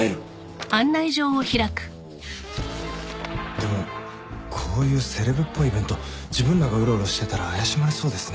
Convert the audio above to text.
でもこういうセレブっぽいイベント自分らがうろうろしてたら怪しまれそうですね。